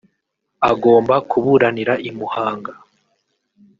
Agomba kuburanira i Muhanga